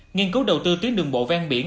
nghiên cứu đầu tư tuyến đường bộ ven biển